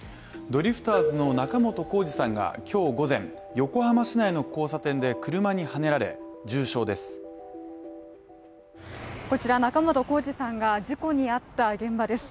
ドリフターズの仲本工事さんが今日午前横浜市内の交差点で車にはねられ重傷です。